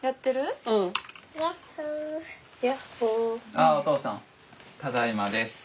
あっお父さんただいまです。